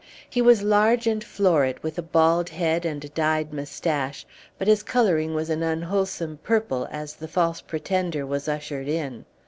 He was large and florid, with a bald head and a dyed mustache, but his coloring was an unwholesome purple as the false pretender was ushered in.